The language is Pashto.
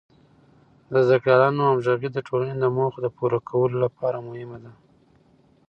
د زده کړیالانو همغږي د ټولنې د موخو د پوره کولو لپاره مهمه ده.